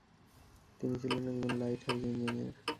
তিনি ছিলেন একজন লাইট হাউজ ইঞ্জিনিয়ার।